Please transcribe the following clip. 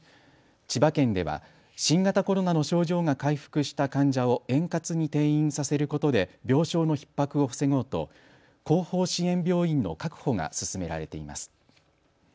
千葉県では新型コロナの症状が回復した患者を円滑に転院させることで病床のひっ迫を防ごうと後方支援病院の確保が進められています。